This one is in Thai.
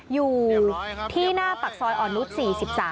อยู่ที่หน้าปากซอยอ่อนนุษย์๔๓